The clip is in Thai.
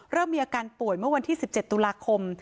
เริ่มมีอาการป่วยเมื่อวันที่๑๗ตุลาคม